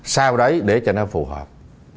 sau đấy để cho nó phù hợp